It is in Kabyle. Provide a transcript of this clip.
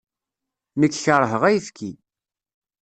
Nekk keṛheɣ ayefki.